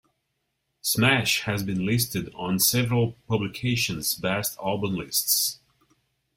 "Smash" has been listed on several publications' best album lists.